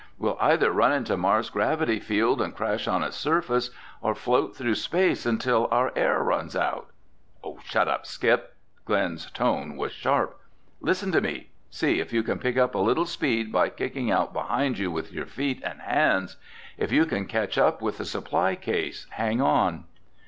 "We'll either run into Mars' gravity field and crash on its surface or float through space until our air runs out." "Shut up, Skip!" Glen's tone was sharp. "Listen to me. See if you can pick up a little speed by kicking out behind with your feet and hands. If you can catch up with the supply case, hang on."